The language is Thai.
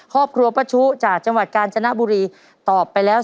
ครอบครัวประชุจากจังหวัดกาญจนบุรี